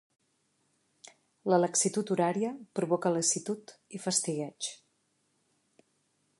La laxitud horària provoca lassitud i fastigueig.